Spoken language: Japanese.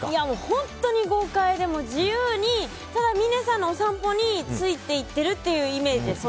本当に豪快で自由にただ峰さんのお散歩についていってるっていうイメージです。